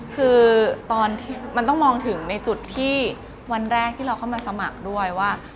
คือตอนที่มันต้องมองถึงในจุดที่วันแรกที่เราเข้ามาสมัครด้วยว่า